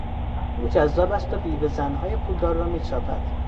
او جذاب است و بیوه زنهای پولدار را میچاپد.